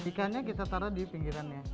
ikannya kita taruh di pinggirannya